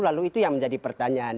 lalu itu yang menjadi pertanyaan